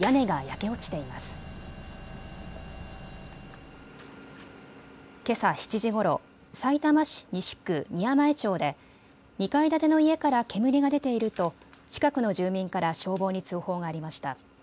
けさ７時ごろ、さいたま市西区宮前町で２階建ての家から煙が出ていると近くの住民から消防に通報がありました。